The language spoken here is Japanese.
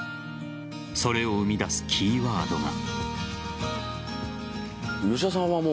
それを生み出すキーワードが。